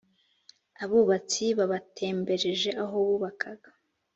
abubatsi babatembereje aho bubakaga